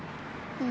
うん？